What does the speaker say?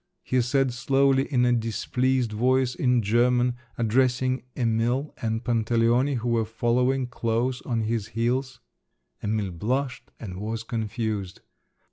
… he said slowly in a displeased voice in German, addressing Emil and Pantaleone, who were following close on his heels. Emil blushed and was confused.